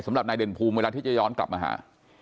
สำหรับนายเด่นภูมิเวลาที่จะย้อนกลับมาหา